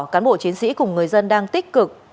cán bộ chiến sĩ cùng người dân đang tích cực